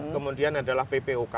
kemudian adalah ppok